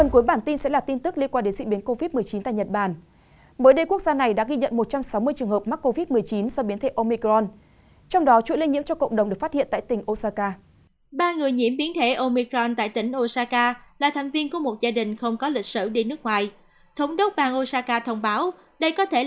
các bạn hãy đăng ký kênh để ủng hộ kênh của chúng mình nhé